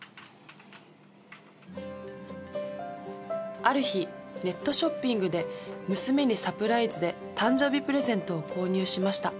［ある日ネットショッピングで娘にサプライズで誕生日プレゼントを購入しました］